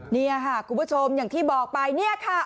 นี่ค่ะคุณผู้ชมอย่างที่บอกไปเนี่ยค่ะ